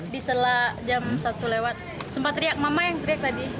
di setelah jam satu lewat sempat teriak mama yang teriak tadi